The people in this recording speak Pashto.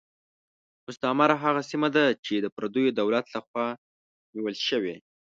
مستعمره هغه سیمه ده چې د پردیو دولت له خوا نیول شوې.